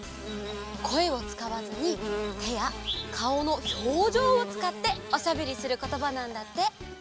こえをつかわずにてやかおのひょうじょうをつかっておしゃべりすることばなんだって。